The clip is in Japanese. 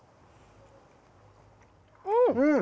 うん！